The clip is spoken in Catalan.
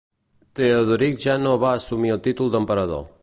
Teodoric ja no va assumir el títol d'Emperador.